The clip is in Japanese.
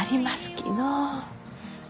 きのう。